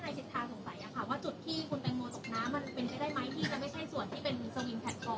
ว่าจุดที่คุณแปลงโมตกน้ำมันเป็นไปได้ไหม